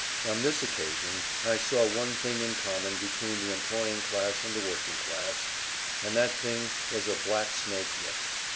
On this occasion I saw one thing in common between the employing class and the working class, and that thing was a black snake whip.